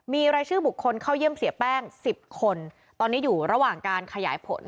มีรายชื่อบุคคลเข้าเยี่ยมเสียแป้ง๑๐คนตอนนี้อยู่ระหว่างการขยายผล